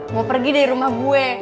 mau pergi dari rumah gue